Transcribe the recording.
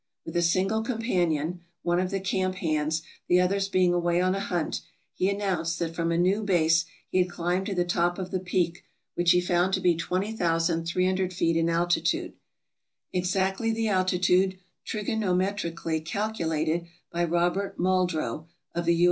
With a single companion — one of the camp hands, the others being away on a hunt — he announced that from a new base he had climbed to the top of the peak, which he found to be 20,300 feet in altitude, exactly the altitude trigonometrically calculated by Robert Muldrow of the U.